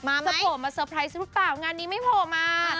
มาไหมจะโผล่มาเซอร์ไพรส์หรือเปล่างานนี้ไม่โผล่มา